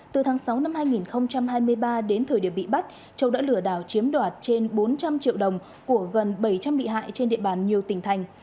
từ tháng sáu năm hai nghìn hai mươi ba đến thời điểm bị bắt châu đã lừa đảo chiếm đoạt trên bốn trăm linh triệu đồng của gần bảy trăm linh bị hại trên địa bàn nhiều tỉnh thành